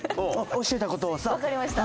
教えた事をさ。わかりました。